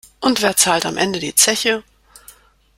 Und wer zahlt am Ende die Zeche?